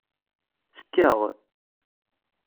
Ttekkaɣ.